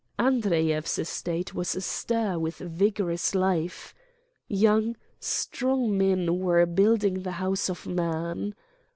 Andreyev's estate was astir with vigorous life. Young, strong men were building the House of Man.